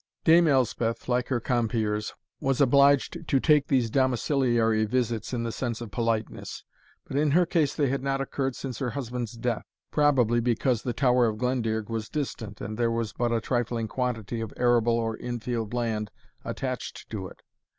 Dame Elspeth, like her compeers, was obliged to take these domiciliary visits in the sense of politeness; but in her case they had not occurred since her husband's death, probably because the Tower of Glendearg was distant, and there was but a trifling quantity of arable or infield land attached to it.